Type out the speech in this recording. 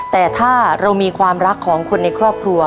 แต่ถ้าเรามีความรักของคนในครอบครัว